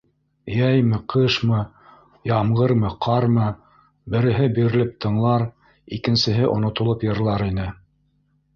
Йәйме, ҡышмы, ямғырмы, ҡармы — береһе бирелеп тыңлар, икенсеһе онотолоп йырлар ине.